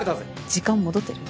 時間戻ってる？